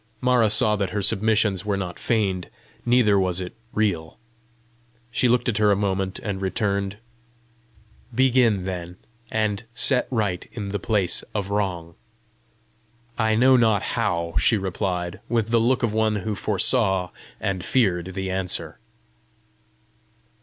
Mara saw that her submission was not feigned, neither was it real. She looked at her a moment, and returned: "Begin, then, and set right in the place of wrong." "I know not how," she replied with the look of one who foresaw and feared the answer.